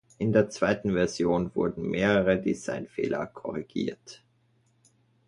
In der zweiten Version wurden mehrere Designfehler korrigiert.